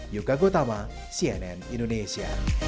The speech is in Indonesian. yuka gotama cnn indonesia